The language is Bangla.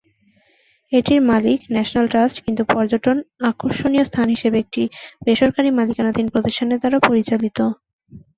এটির মালিক ন্যাশনাল ট্রাস্ট, কিন্তু পর্যটন আকর্ষণীয় স্থান হিসেবে একটি বেসরকারি মালিকানাধীন প্রতিষ্ঠানের দ্বারা পরিচালিত।